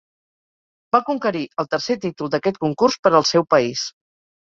Va conquerir el tercer títol d'aquest concurs per al seu país.